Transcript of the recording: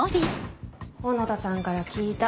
小野田さんから聞いた。